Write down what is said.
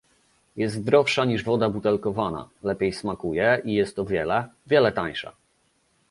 Jest zdrowsza niż woda butelkowana, lepiej smakuje i jest o wiele, wiele tańsza